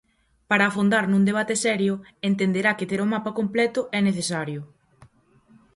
Para afondar nun debate serio, entenderá que ter o mapa completo é necesario.